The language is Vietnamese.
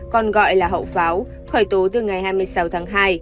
còn gọi là hậu pháo khởi tố từ ngày hai mươi sáu tháng hai